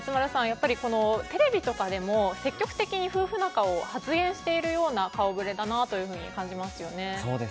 やっぱりテレビとかでも積極的に夫婦仲を発言しているような顔ぶれだなと感じますよね。